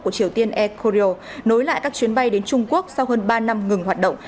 của triều tiên air korea nối lại các chuyến bay đến trung quốc sau hơn ba năm ngừng hoạt động